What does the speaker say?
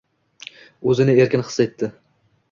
O’zini erkin his etdi.